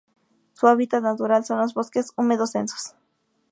Su hábitat natural son los bosques húmedos densos.